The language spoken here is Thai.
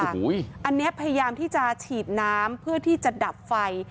อันนี้พยายามที่จะฉีดน้ำเพื่อที่จะดับไฟ